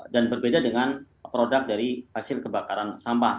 dan berbeda dengan produk dari hasil kebakaran sampah